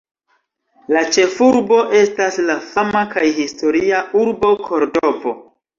La ĉefurbo estas la fama kaj historia urbo Kordovo.